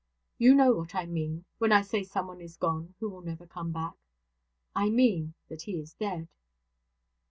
'You know what I mean, when I say someone is gone who will never come back. I mean that he is dead!'